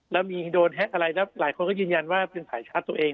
แล้วมีโดนแฮ็กอะไรแล้วหลายคนก็ยืนยันว่าเป็นสายชาร์จตัวเอง